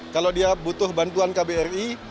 kalau dia butuh bantuan kbri